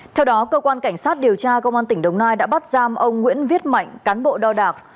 theo đó cơ quan cảnh sát điều tra công an tỉnh đồng nai đã bắt giam ông nguyễn viết mạnh cán bộ đo đạc